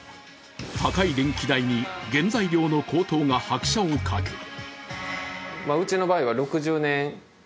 高い電気代に原材料の高騰が拍車をかける。